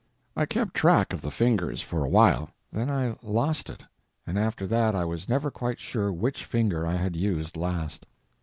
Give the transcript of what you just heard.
I kept track of the fingers for a while; then I lost it, and after that I was never quite sure which finger I had used last.